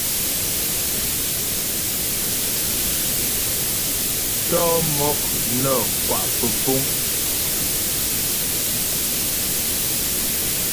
Tɔ'ɔ mɔk nə́ kwa' pə́púŋ.